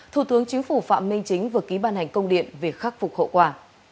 thủ tướng chính phủ phạm minh chính vừa ký ban hành công điện về khắc phục hậu quả